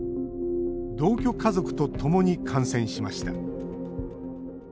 同居家族とともに感染しました。